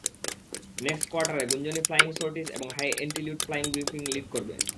Next কোয়ার্টারে, গুঞ্জনই flying sorties এবং high altitude flying briefing lead করবে।